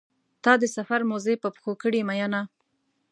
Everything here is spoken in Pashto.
تا د سفر موزې په پښو کړې مینه.